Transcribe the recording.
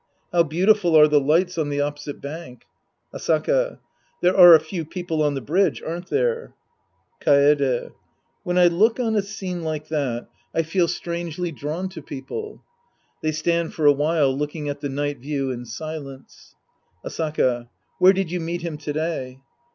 How beautiful are the lights on the oppo site bank ! Asaka. There are a {q\v people on tlie bridge, aren't there ? Kaede. When I look on a scene like that, I feel 164 The Priest and His Disciples Act IV s'^rangely drawn to people. {They stand for a while looking at the night view in silence^ Asaka. Where did you meet him to day